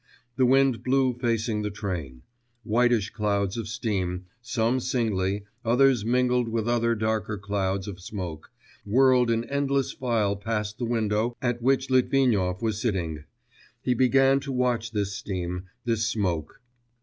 The wind blew facing the train; whitish clouds of steam, some singly, others mingled with other darker clouds of smoke, whirled in endless file past the window at which Litvinov was sitting. He began to watch this steam, this smoke.